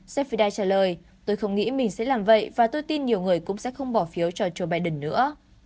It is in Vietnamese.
safidei trả lời tôi không nghĩ mình sẽ làm vậy và tôi tin nhiều người cũng sẽ không bỏ phiếu cho joe biden nữa